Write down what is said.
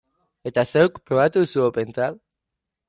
Eta zeuk, probatu duzu OpenTrad?